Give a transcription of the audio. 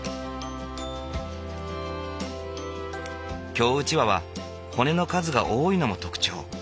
京うちわは骨の数が多いのも特徴。